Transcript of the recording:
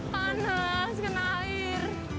panas kena air